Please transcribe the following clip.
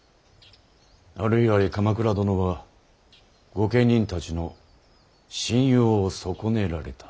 あれ以来鎌倉殿は御家人たちの信用を損ねられた。